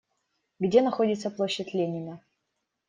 Где находится площадь Ленина?